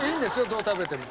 どう食べても。